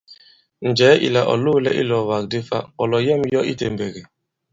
Njɛ̀ɛ ìlà ɔ̀ loōlɛ i ilɔ̀ɔ̀wàk di fa, ɔ̀ làyɛ᷇m yɔ i itèmbèk ì?